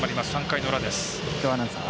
３回の裏です。